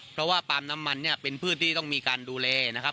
เพราะว่าปาล์มน้ำมันเนี่ยเป็นพืชที่ต้องมีการดูแลนะครับ